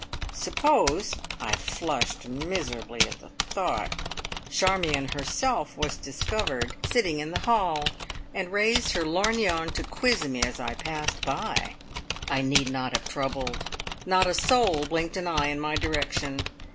Suppose I flushed miserably at the thought Charmion herself was discovered sitting in the hall, and raised her lorgnon to quiz me as I passed by! I need not have troubled. Not a soul blinked an eye in my direction.